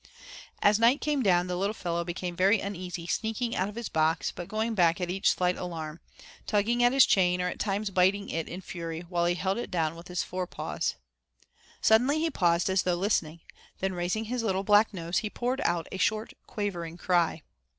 As night came down the little fellow became very uneasy, sneaking out of his box, but going back at each slight alarm, tugging at his chain, or at times biting it in fury while he held it down with his fore paws. Suddenly he paused as though listening, then raising his little black nose he poured out a short quavering cry.